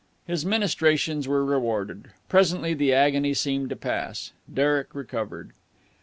His ministrations were rewarded. Presently the agony seemed to pass. Derek recovered.